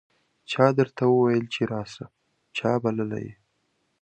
چا درته وویل چې راسه ؟ چا بللی یې